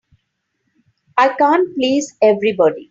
I can't please everybody.